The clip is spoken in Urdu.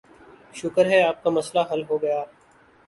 شکر ہے کہ آپ کا مسئلہ حل ہوگیا